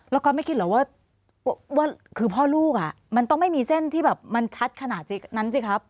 แล้วก็ไม่คิดเหรอว่าคือพ่อลูกมันต้องไม่มีเส้นที่แบบมันชัดขนาดนั้นสิครับ